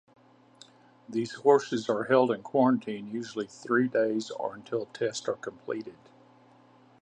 These horses are held in quarantine-usually three days-or until tests are completed.